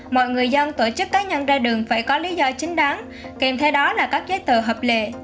mọi người dân tổ chức cá nhân ra đường phải có lý do chính đáng kèm theo đó là các giấy tờ hợp lệ